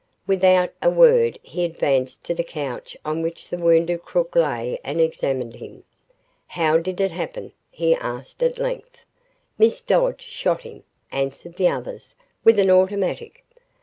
Without a word he advanced to the couch on which the wounded crook lay and examined him. "How did it happen?" he asked at length. "Miss Dodge shot him," answered the others, "with an automatic."